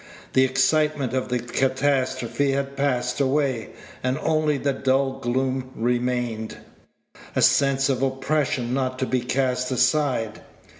The excitement of the catastrophe had passed away, and only the dull gloom remained a sense of oppression not to be cast aside.